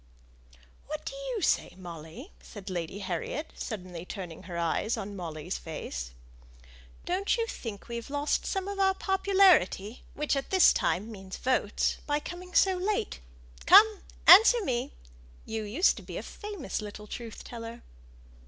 "What do you say, Molly?" said Lady Harriet, suddenly turning her eyes on Molly's face. "Don't you think we've lost some of our popularity, which at this time means votes by coming so late. Come, answer me! you used to be a famous little truth teller."